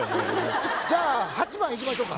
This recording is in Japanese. じゃあ８番いきましょうか。